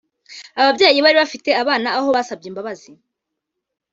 Ababyeyi bari bafite abana aho basabye imbabazi